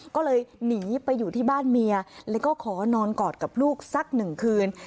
ก็เลยหนีไปอยู่ที่บ้านเมียแล้วก็ขอนอนกอดกับลูกสักหนึ่งคืน